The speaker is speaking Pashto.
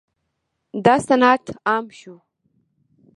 دا صنعت عام شو.